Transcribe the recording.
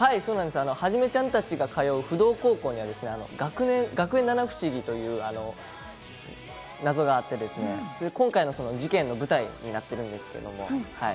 はじめちゃんたちが通う不動高校には学園七不思議という謎があって今回の事件の舞台になってるんですけど。